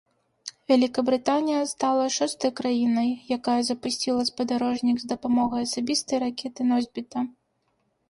Вялікабрытанія стала шостай краінай, якая запусціла спадарожнік з дапамогай асабістай ракеты-носьбіта.